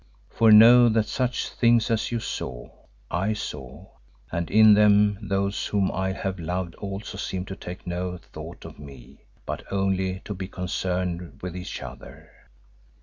For know that such things as you saw, I saw, and in them those whom I have loved also seemed to take no thought of me but only to be concerned with each other.